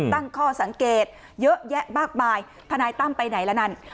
ตั้งข้อสังเกตเยอะแยะมากมายทนายตั้มไปไหนละนั่น